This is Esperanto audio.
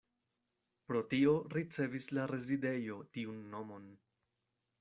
Pro tio ricevis la rezidejo tiun nomon.